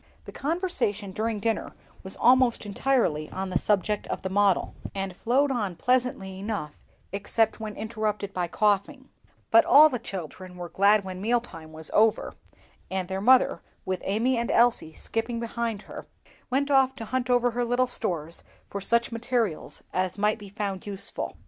The conversation during dinner was almost entirely on the subject of the model, and flowed on pleasantly enough, except when interrupted by coughing; but all the children were glad when meal time was over, and their mother, with Amy and Elsie skipping before her, went off to hunt over her little stores for such materials as might be found useful.